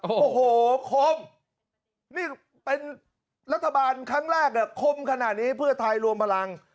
โอ้โหคมนี่เป็นรัฐบาลครั้งแรกคมขนาดนี้เพื่อไทยรวมพลัง